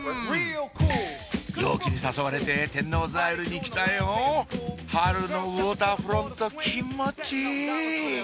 陽気に誘われて天王洲アイルに来たよ春のウオーターフロント気持ちいい！